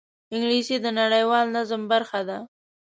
انګلیسي د نړیوال نظم برخه ده